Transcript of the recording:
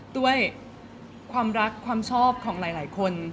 ด้วยความรักความชอบของหลายคน